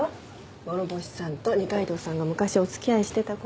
諸星さんと二階堂さんが昔お付き合いしてた事。